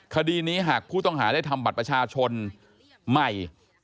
คดีนี้หากผู้ต้องหาได้ทำบัตรประชาชนใหม่